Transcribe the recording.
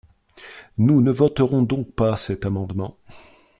Nous ne voterons donc pas cet amendement.